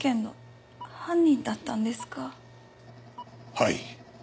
はい。